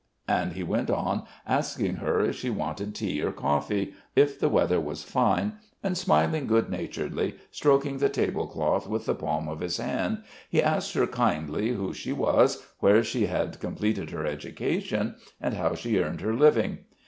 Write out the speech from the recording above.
And he went on asking her if she wanted tea or coffee, if the weather was fine, and, smiling good naturedly, stroking the tablecloth with the palm of his hand, he asked her kindly who she was, where she had completed her education, and how she earned her living.